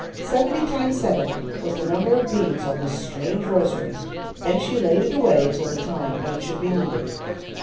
Seventy times seven was the number of beads on this strange rosary. Then she laid it away until the time when it should be needed.